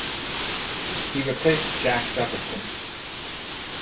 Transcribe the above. He replaced Jaak Jakobson.